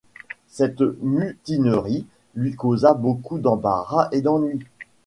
Cette mutinerie lui causa beaucoup d’embarras et d’ennui.